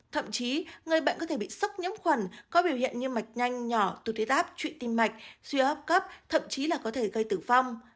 thậm chí người bệnh có thể bị sốc nhiễm khuẩn có biểu hiện như mạch nhanh nhỏ tuế áp trụy tim mạch suy hấp cấp thậm chí là có thể gây tử vong